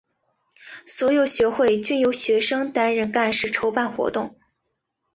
所有学会均由学生担任干事筹办活动。